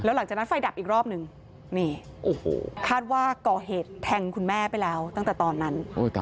หลังจากนั้นไฟดับอีกรอบหนึ่งนี่คาดว่าก่อเหตุแทงคุณแม่ไปแล้วตั้งแต่ตอนนั้น